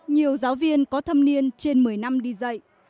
nhiều giáo viên có thâm niên trên một mươi năm đi dạy